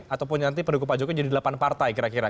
ataupun nanti pendukung pak jokowi jadi delapan partai kira kira